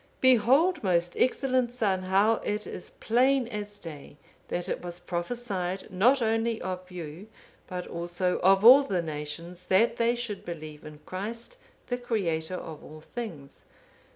'(507) "Behold, most excellent son, how it is plain as day that it was prophesied not only of you, but also of all the nations, that they should believe in Christ, the Creator of all things.